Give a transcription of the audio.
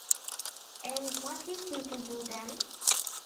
And what is he to do then?